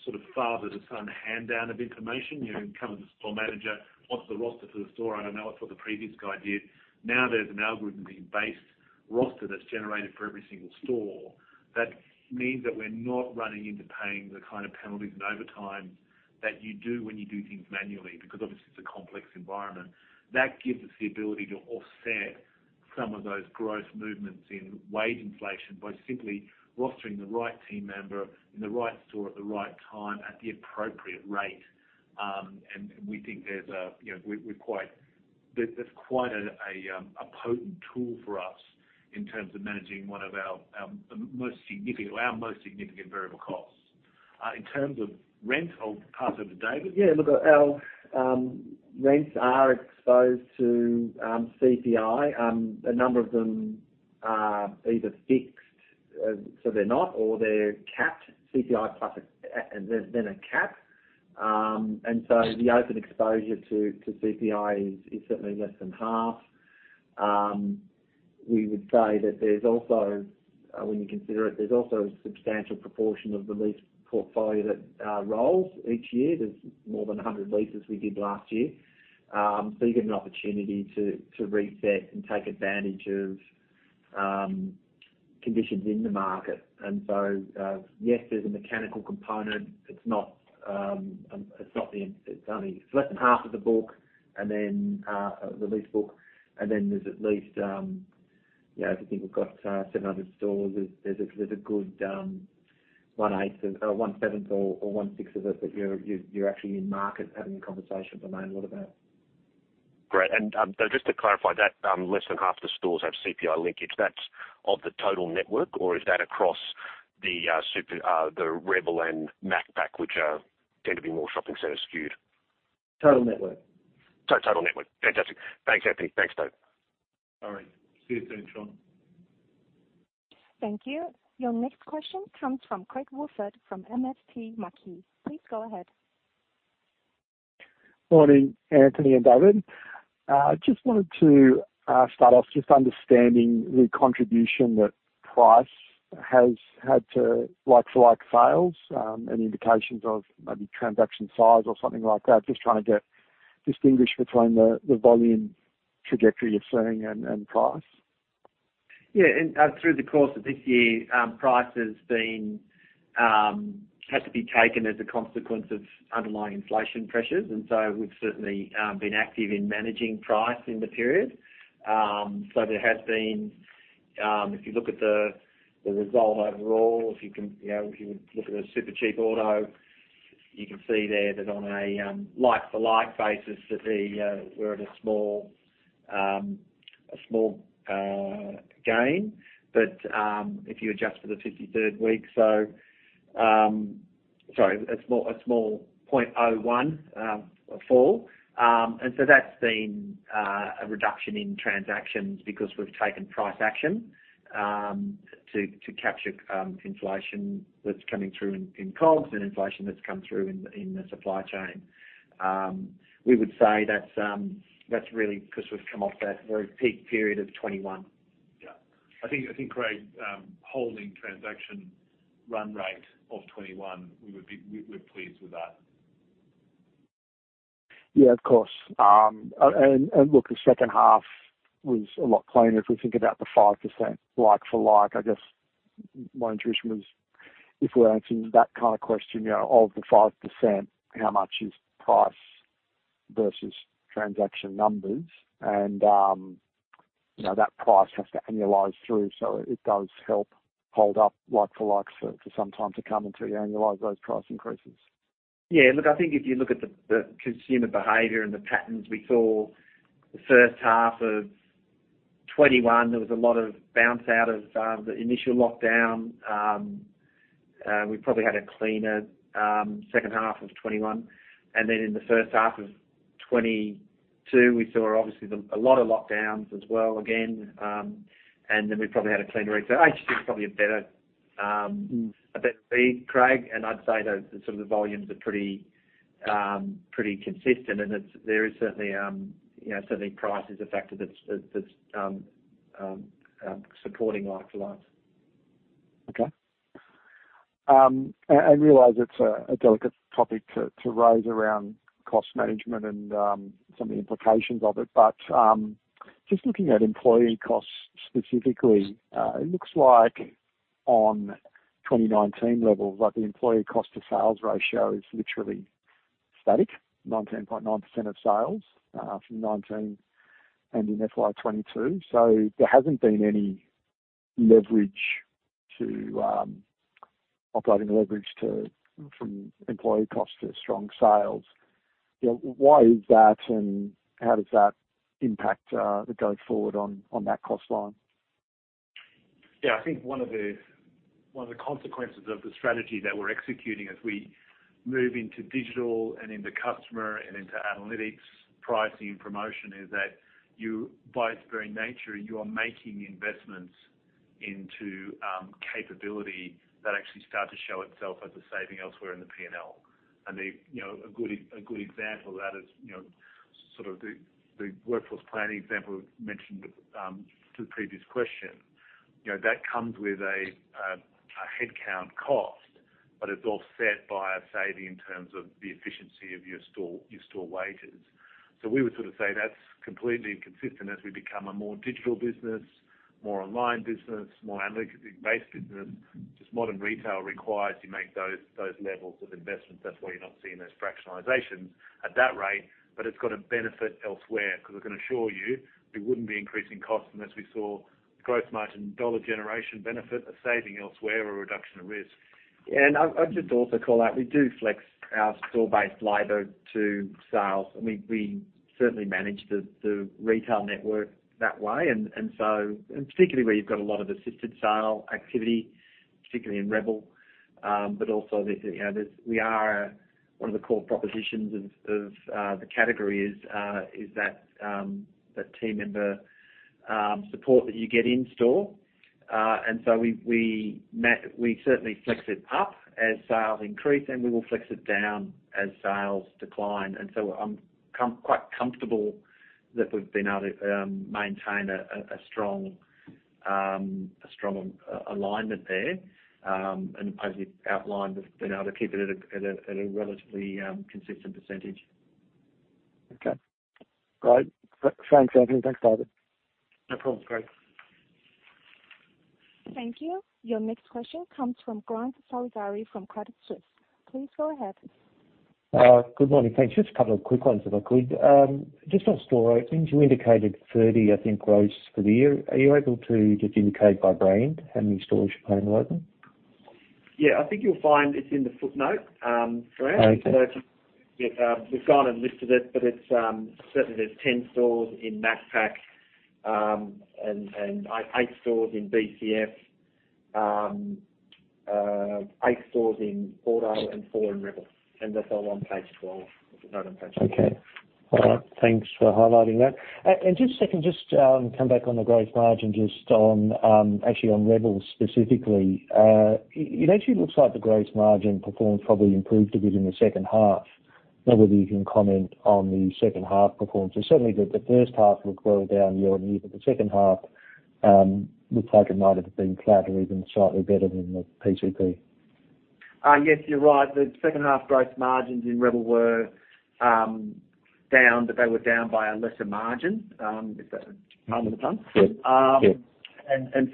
sort of father to son hand down of information. You know, come as a store manager, what's the roster for the store? I don't know. It's what the previous guy did. Now, there's an algorithm-based roster that's generated for every single store. That means that we're not running into paying the kind of penalties and overtime that you do when you do things manually, because obviously it's a complex environment. That gives us the ability to offset some of those growth movements in wage inflation by simply rostering the right team member in the right store at the right time at the appropriate rate. We think there's quite a potent tool for us in terms of managing one of our most significant variable costs. In terms of rent, I'll pass over to David. Yeah. Look, our rents are exposed to CPI. A number of them are either fixed, so they're not, or they're capped CPI plus. There's been a cap. The open exposure to CPI is certainly less than half. We would say that there's also, when you consider it, there's also a substantial proportion of the lease portfolio that rolls each year. There's more than 100 leases we did last year. You get an opportunity to reset and take advantage of conditions in the market. Yes, there's a mechanical component. It's less than half of the book and then the lease book, and then there's at least, you know, if you think we've got 700 stores, there's a good one-eighth or one-seventh or one-sixth of it that you're actually in market having a conversation around what about. Great. Just to clarify that, less than half the stores have CPI linkage. That's of the total network or is that across the Rebel and Macpac, which tend to be more shopping center skewed. Total network. Total network. Fantastic. Thanks, Anthony. Thanks, Dave. All right. See you soon, Shaun. Thank you. Your next question comes from Craig Woolford from MST Marquee. Please go ahead. Morning, Anthony and David. Just wanted to start off just understanding the contribution that price has had to like-for-like sales, any indications of maybe transaction size or something like that. Just trying to distinguish between the volume trajectory you're seeing and price. Yeah. Through the course of this year, price has had to be taken as a consequence of underlying inflation pressures. We've certainly been active in managing price in the period. There has been, if you look at the result overall, if you can, you know, if you would look at a Supercheap Auto, you can see there that on a like-for-like basis that we're at a small gain. If you adjust for the fifty-third week, sorry, a small 0.01 fall. That's been a reduction in transactions because we've taken price action to capture inflation that's coming through in COGS and inflation that's come through in the supply chain. We would say that's really because we've come off that very peak period of 2021. Yeah. I think, Craig, holding transaction run rate of 21, we're pleased with that. Yeah, of course. Look, the second half was a lot cleaner if we think about the 5% like-for-like. I guess my intuition was if we're answering that kind of question, you know, of the 5%, how much is price versus transaction numbers? You know, that price has to annualize through. It does help hold up like-for-likes for some time to come until you annualize those price increases. Yeah. Look, I think if you look at the consumer behavior and the patterns we saw the first half of 2021, there was a lot of bounce out of the initial lockdown. We probably had a cleaner second half of 2021, and then in the first half of 2022, we saw obviously a lot of lockdowns as well again. Then we probably had a cleaner. So I just think it's probably a better read, Craig, and I'd say the sort of volumes are pretty consistent. There is certainly, you know, certainly price is a factor that's supporting like-for-likes. Okay. I realize it's a delicate topic to raise around cost management and some of the implications of it, but just looking at employee costs specifically, it looks like on 2019 levels, like the employee cost to sales ratio is literally static, 19.9% of sales, from 2019 and in FY 2022. There hasn't been any leverage to operating leverage from employee costs to strong sales. You know, why is that and how does that impact the go forward on that cost line? Yeah, I think one of the consequences of the strategy that we're executing as we move into digital and into customer and into analytics, pricing, and promotion, is that you, by its very nature, you are making investments into capability that actually start to show itself as a saving elsewhere in the P&L. A good example of that is, you know, sort of the workforce planning example mentioned to the previous question. That comes with a headcount cost. It's offset by a saving in terms of the efficiency of your store wages. We would sort of say that's completely inconsistent as we become a more digital business, more online business, more analytic-based business. Just modern retail requires you make those levels of investment. That's why you're not seeing those fractionalizations at that rate, but it's got a benefit elsewhere, because I can assure you, we wouldn't be increasing costs unless we saw gross margin dollar generation benefit, a saving elsewhere, or a reduction of risk. I'll just also call out, we do flex our store-based labor to sales. We certainly manage the retail network that way. Particularly where you've got a lot of assisted sale activity, particularly in Rebel. But also there's, you know, we are one of the core propositions of the category is that the team member support that you get in store. We certainly flex it up as sales increase, and we will flex it down as sales decline. I'm quite comfortable that we've been able to maintain a strong alignment there. And as we've outlined, we've been able to keep it at a relatively consistent percentage. Okay. Great. Thanks, Anthony. Thanks, David. No problem, Craig. Thank you. Your next question comes from Grant Saligari from Credit Suisse. Please go ahead. Good morning, thanks. Just a couple of quick ones if I could. Just on store openings, you indicated 30, I think, gross for the year. Are you able to just indicate by brand how many stores you plan to open? Yeah. I think you'll find it's in the footnote, Grant. Okay. We've gone and listed it, but it's certainly there's 10 stores in Macpac, and eight stores in BCF, eight stores in Auto and four in Rebel, and that's all on page 12. The note on page 12. Okay. All right. Thanks for highlighting that. Just a second, just come back on the growth margin, just on, actually on Rebel specifically. It actually looks like the growth margin performance probably improved a bit in the second half. I don't know whether you can comment on the second half performance. Certainly the first half looked well down year-on-year, but the second half looks like it might have been flat or even slightly better than the P2P. Yes, you're right. The second half growth margins in Rebel were down, but they were down by a lesser margin, if that, pardon the pun. Yes. Yes.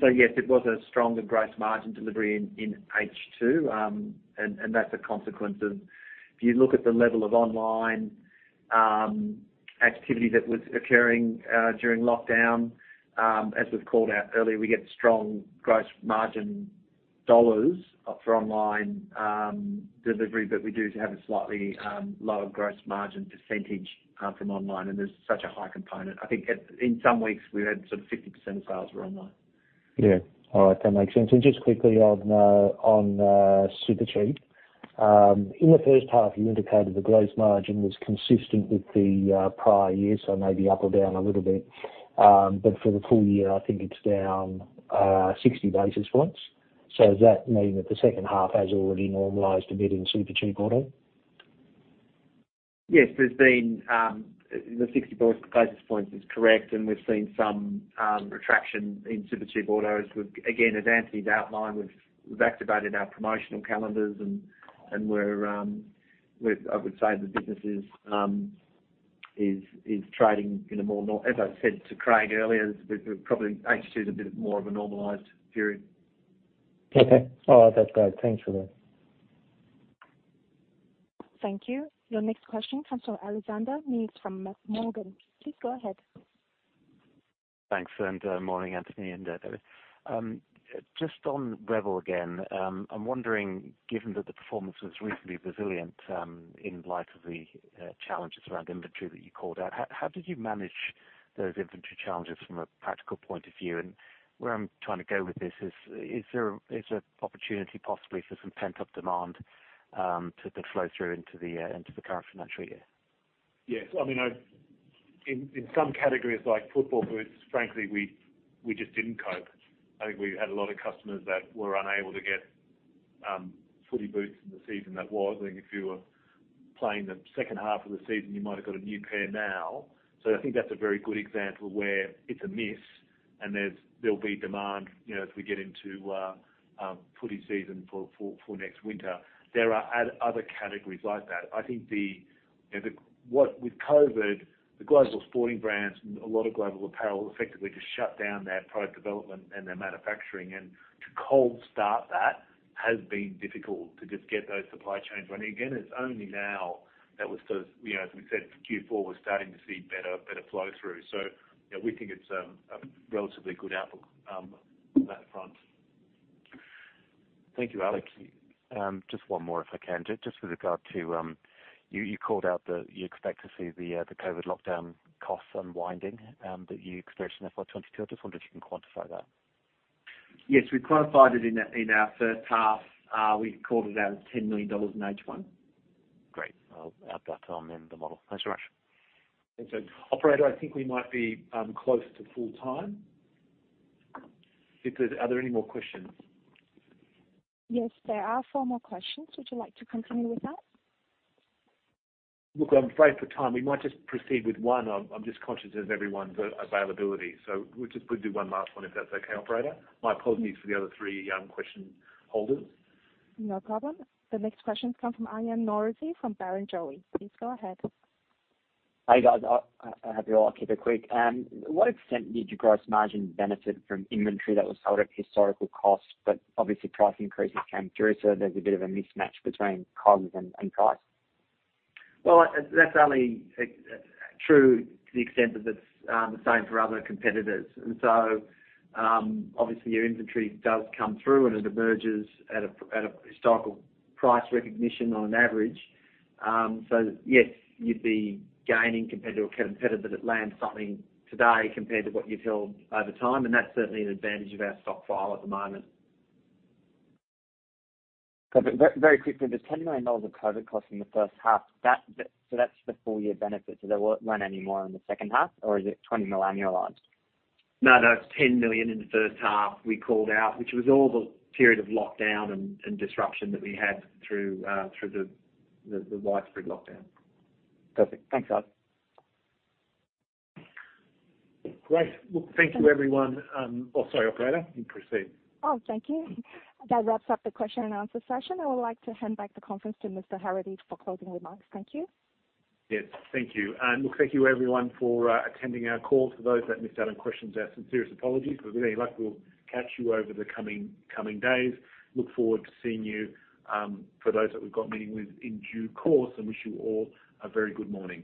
Yes, it was a stronger growth margin delivery in H2. That's a consequence of if you look at the level of online activity that was occurring during lockdown, as we've called out earlier. We get strong growth margin dollars for online delivery, but we do have a slightly lower gross margin percentage from online, and there's such a high component. I think in some weeks we had sort of 50% of sales were online. Yeah. All right. That makes sense. Just quickly on Supercheap. In the first half, you indicated the gross margin was consistent with the prior year, so maybe up or down a little bit. For the full year, I think it's down 60 basis points. Does that mean that the second half has already normalized a bit in Supercheap Auto? Yes. There's been the 60 basis points is correct, and we've seen some contraction in Supercheap Auto as we've again, as Anthony's outlined, we've activated our promotional calendars and I would say the business is trading in a more as I said to Craig earlier, probably H2's a bit more of a normalized period. Okay. All right. That's great. Thanks for that. Thank you. Your next question comes from Alexander Meades from Morgan. Please go ahead. Thanks, and morning, Anthony and David. Just on Rebel again. I'm wondering, given that the performance was recently resilient, in light of the challenges around inventory that you called out, how did you manage those inventory challenges from a practical point of view? Where I'm trying to go with this is there opportunity possibly for some pent-up demand to flow through into the current financial year? Yes. I mean, in some categories like football boots, frankly, we just didn't cope. I think we had a lot of customers that were unable to get footy boots in the season. That was, I think if you were playing the second half of the season, you might have got a new pair now. I think that's a very good example where it's a miss and there'll be demand, you know, as we get into footy season for next winter. There are other categories like that. I think what with COVID, the global sporting brands and a lot of global apparel effectively just shut down their product development and their manufacturing. To cold start that has been difficult to just get those supply chains running again. It's only now that we're sort of, you know, as we said, Q4, we're starting to see better flow through. You know, we think it's a relatively good outlook on that front. Thank you, Alex. Thank you. Just one more, if I can. Just with regard to, you called out that you expect to see the COVID lockdown costs unwinding, that you expressed in FY 2022. I just wonder if you can quantify that. Yes. We've quantified it in our first half. We called it out as 10 million dollars in H1. Great. I'll add that on in the model. Thanks very much. Thanks, Alex. Operator, I think we might be close to full time. Victor, are there any more questions? Yes, there are four more questions. Would you like to continue with that? Look, I'm afraid for time. We might just proceed with one. I'm just conscious of everyone's availability. We'll just do one last one if that's okay, operator. My apologies for the other three, question holders. No problem. The next question comes from Aryan Norozi from Barrenjoey. Please go ahead. Hey, guys. I hope you're all keeping well. What extent did your gross margin benefit from inventory that was sold at historical cost, but obviously price increases came through, so there's a bit of a mismatch between COGS and price? Well, that's only true to the extent that it's the same for other competitors. Obviously your inventory does come through and it emerges at a historical price recognition on average. Yes, you'd be gaining over a competitor that lands something today compared to what you've held over time, and that's certainly an advantage of our stockpile at the moment. Very quickly, the 10 million dollars of COVID costs in the first half, that's the full year benefit. There weren't any more in the second half, or is it 20 million annualized? No, that's 10 million in the first half we called out, which was all the period of lockdown and disruption that we had through the widespread lockdown. Perfect. Thanks, guys. Great. Well, thank you everyone. Sorry, operator. You can proceed. Oh, thank you. That wraps up the question and answer session. I would like to hand back the conference to Mr. Heraghty for closing remarks. Thank you. Yes. Thank you. Look, thank you everyone for attending our call. For those that missed out on questions, our sincerest apologies. With any luck, we'll catch you over the coming days. Look forward to seeing you, for those that we've got meeting with in due course, and wish you all a very good morning.